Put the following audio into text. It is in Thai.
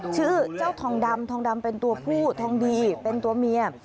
ชื่อเจ้าทองดำทองดำเป็นตัวผู้ทองดีเป็นตัวเมีย